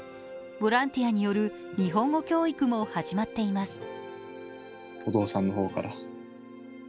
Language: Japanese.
ボランティアによる日本語教育も始まっています。